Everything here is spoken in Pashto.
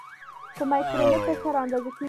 په مایکرومتر سره اندازه کیږي.